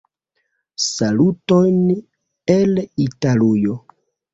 Salutojn el Italujo.